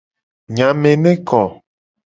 Enya me ne ko.